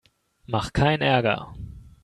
Mach keinen Ärger!